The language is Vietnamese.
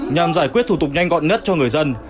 nhằm giải quyết thủ tục nhanh gọn nhất cho người dân